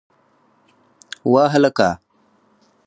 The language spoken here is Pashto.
وه هلکه!